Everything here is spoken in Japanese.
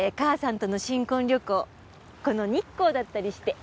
この日光だったりして。